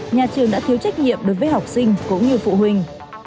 nhà trường đã thiếu trách nhiệm đối với học sinh cũng như phụ huynh